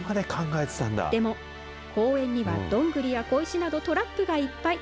でも、公園にはどんぐりや小石などトラップがいっぱい。